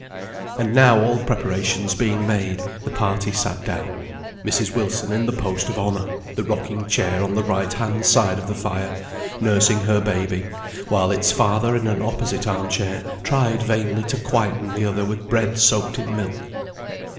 And now all preparations being made, the party sat down; Mrs. Wilson in the post of honour, the rocking chair on the right hand side of the fire, nursing her baby, while its father, in an opposite arm chair, tried vainly to quieten the other with bread soaked in milk.